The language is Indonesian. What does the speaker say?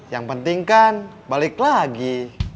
yang penting kan balik lagi